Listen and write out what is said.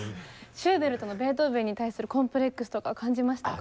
シューベルトのベートーベンに対するコンプレックスとかは感じましたか？